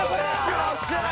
よっしゃー！